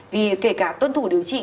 vì kể cả tuân thủ điều trị